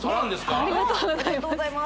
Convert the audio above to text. ありがとうございます